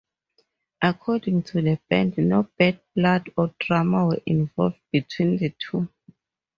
According to the band, no bad blood or drama were involved between the two.